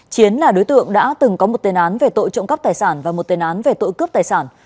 chiến là đối tượng đã từng có một tên án về tội trộm cắp tài sản và một tên án về tội cướp tài sản